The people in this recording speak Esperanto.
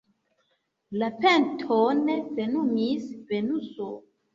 La peton plenumis Venuso.